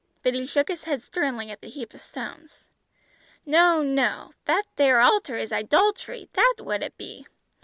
But he shook his head sternly at the heap of stones. "No no, that there altar is idol'try, that is what it be.